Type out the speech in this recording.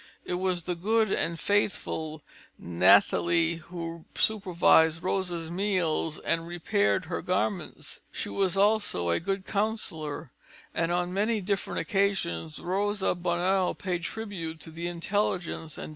It was the good and faithful Nathalie who supervised Rosa's meals and repaired her garments. She was also a good counsellor, and on many different occasions Rosa Bonheur paid tribute to the intelligence and devotion of her friend.